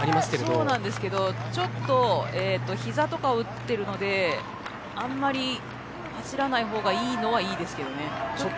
そうなんですけどちょっと膝とかを打ってるのであんまり走らないほうがいいのはいいですけどね。